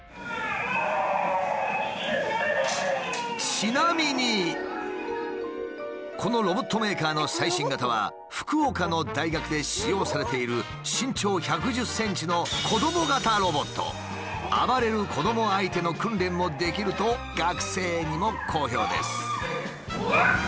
ちなみにこのロボットメーカーの最新型は福岡の大学で使用されている身長１１０ｃｍの暴れる子ども相手の訓練もできると学生にも好評です。